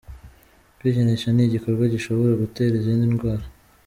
Kwikinisha ni igikorwa gishobora gutera izindi ndwara